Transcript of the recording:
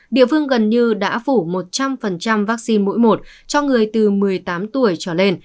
địa phương gần như đã phủ một trăm linh vaccine mũi một cho người từ một mươi tám tuổi trở lên